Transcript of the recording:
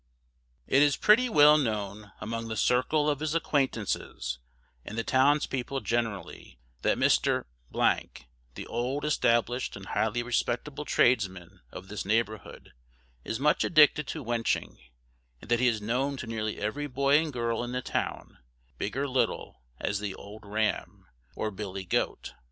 It is pretty well known among the circle of his acquaintances, and the townspeople generally, that Mr , the old established and highly respectable tradesman of THIS NEIGHBOURHOOD is much addicted to wenching, and that he is known to nearly every boy and girl in the town, big or little, as the "OLD RAM," or "BILLY GOAT."